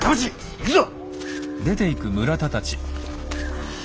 行くぞ！